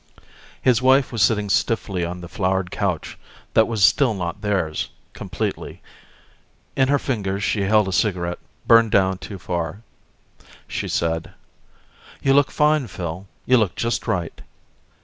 His wife was sitting stiffly on the flowered couch that was still not theirs completely. In her fingers she held a cigarette burned down too far. She said, "You look fine, Phil. You look just right."